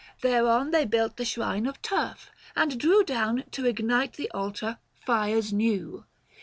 Thereon they built the shrine of turf, and drew Down, to ignite the altar, fires new.